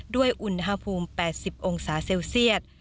ด้วยอุณหภูมิ๘๐องศาเซลเซียต